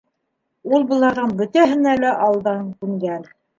Ул быларҙың бөтәһенә лә алдан күнгән.